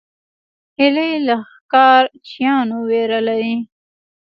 هیلۍ له ښکار چیانو ویره لري